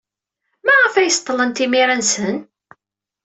Maɣef ay seḍḍlen timira-nsen?